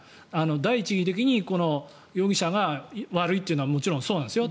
第一義的にこの容疑者が悪いというのはもちろんそうなんですよ。